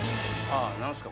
何すか？